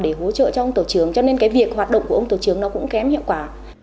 để hỗ trợ cho ông tổ trưởng cho nên cái việc hoạt động của ông tổ trưởng nó cũng kém hiệu quả